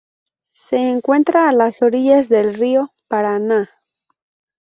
Se encuentra a orillas del río Paraná.